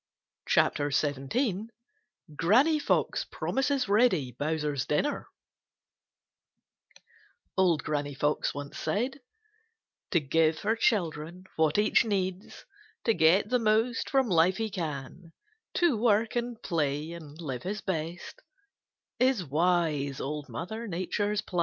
CHAPTER XVII Granny Fox Promises Reddy Bowser's Dinner To give her children what each needs To get the most from life he can, To work and play and live his best, Is wise Old Mother Nature's plan.